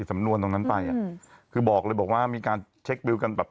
สำนวนตรงนั้นไปอ่ะคือบอกเลยบอกว่ามีการเช็คดิวกันแบบ